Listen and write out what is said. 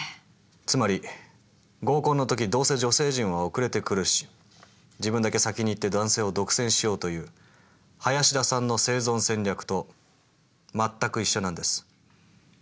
つまり合コンの時どうせ女性陣は遅れてくるし自分だけ先に行って男性を独占しようという林田さんの生存戦略と全く一緒なんです。